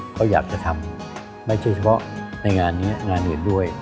เขาอยากจะทำไม่ใช่เฉพาะในงานนี้งานอื่นด้วย